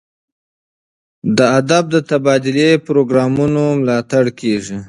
د ادب د تبادلې پروګرامونو ملاتړ کیږي.